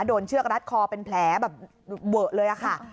เชือกรัดคอเป็นแผลแบบเวอะเลยค่ะ